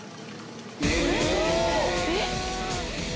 えっ？